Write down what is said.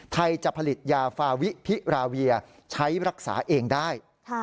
จะผลิตยาฟาวิพิราเวียใช้รักษาเองได้